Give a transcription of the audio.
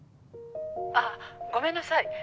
「あっごめんなさい」